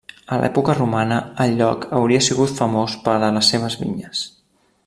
A l'època romana, el lloc hauria sigut famós per a les seves vinyes.